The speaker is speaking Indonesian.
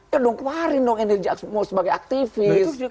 ya dong keluarin dong energi mau sebagai aktivis